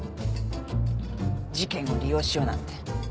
事件を利用しようなんて。